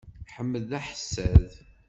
Ḥmed d aḥessad.